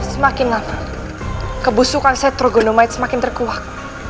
semakin lama kebusukan setrogonomite semakin terkuat